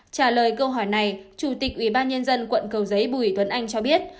trả lời câu hỏi này chủ tịch ủy ban nhân dân quận cầu giấy bùi tuấn anh cho biết